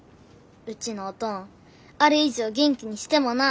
うちのおとんあれ以上元気にしてもな。